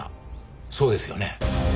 そうですよね？